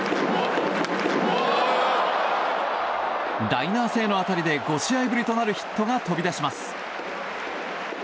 ライナー性の当たりで５試合ぶりとなるヒットが飛び出します。